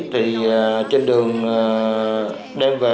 thì trên đường đem về